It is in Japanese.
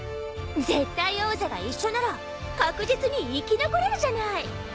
絶対王者が一緒なら確実に生き残れるじゃない。